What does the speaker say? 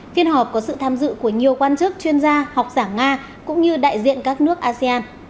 phiên họp có sự tham dự của nhiều quan chức chuyên gia học giả nga cũng như đại diện các nước asean